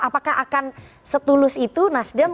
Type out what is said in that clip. apakah akan setulus itu nasdem